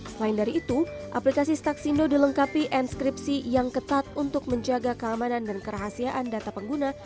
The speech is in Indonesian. selain dari itu aplikasi staksindo dilengkapi enskripsi yang ketat untuk menjaga keamanan dan kerahasiaan data pengguna